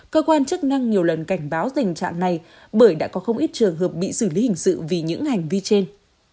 cơ quan chức năng nhiều lần cảnh báo tình trạng này bởi đã có không ít trường hợp bị xử lý hình sự vì những hành vi trên